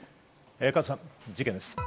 加藤さん事件です。